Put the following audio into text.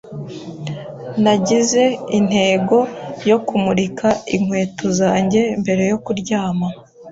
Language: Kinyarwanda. Nagize intego yo kumurika inkweto zanjye mbere yo kuryama.